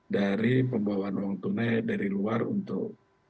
dari pembawaan uang tunai dari luar untuk